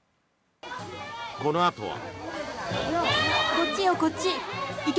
このあとは。